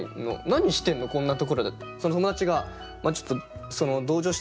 何してんのこんなところで」って。